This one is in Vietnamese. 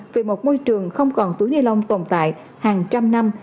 về một môi trường không còn túi ni lông tồn tại hàng trăm năm